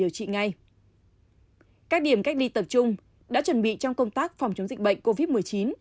các điểm cách ly tập trung đã chuẩn bị trong công tác phòng chống dịch bệnh covid một mươi chín